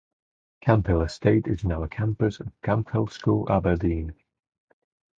Camphill Estate is now a campus of Camphill School Aberdeen.